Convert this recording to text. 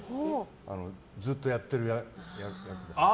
ずっとやってる役で。